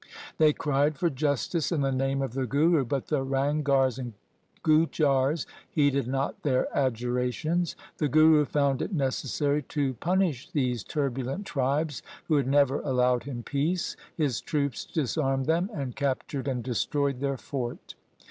They cried for justice in the name of the Guru, but the Ranghars and Gujars heeded not their adjurations. The Guru found it necessary to punish these turbulent tribes who had never allowed him peace. His troops dis armed them and captured and destroyed their fort.